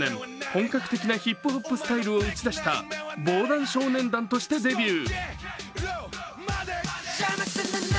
本格的なヒップホップスタイルを打ち出した防弾少年団としてデビュー。